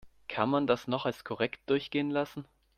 Kann man das noch als korrekt durchgehen lassen?